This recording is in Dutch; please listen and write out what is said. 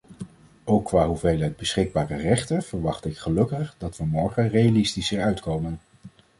Ook qua hoeveelheid beschikbare rechten verwacht ik gelukkig dat we morgen realistischer uitkomen.